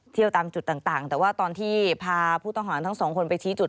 ตามจุดต่างแต่ว่าตอนที่พาผู้ต้องหาทั้งสองคนไปชี้จุด